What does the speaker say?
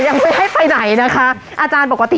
ยังไม่ให้ไปไหนนะคะอาจารย์ปกติ